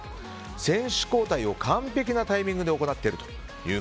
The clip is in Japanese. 選手交代を完璧なタイミングでやっていると。